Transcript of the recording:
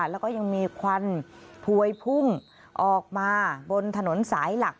แล้วก็ยังมีควันพวยพุ่งออกมาบนถนนสายหลัก